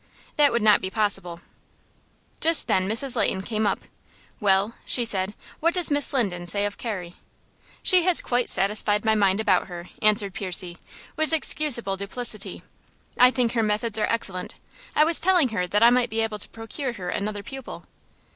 "That would not be possible." Just then Mrs. Leighton came up. "Well," she said, "what does Miss Linden say of Carrie?" "She has quite satisfied my mind about her," answered Percy, with excusable duplicity. "I think her methods are excellent. I was telling her that I might be able to procure her another pupil."